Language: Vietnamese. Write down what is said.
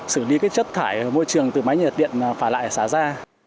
xử lý cái chất thải môi trường từ máy nhiệt điện phản lại xả ra